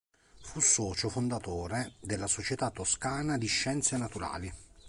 Fu socio fondatore della Società toscana di Scienze Naturali.